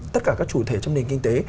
tất cả các chủ thể trong nền kinh tế